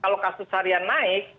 kalau kasus harian naik